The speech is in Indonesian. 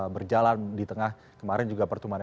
berjalan di tengah kemarin juga pertumbuhan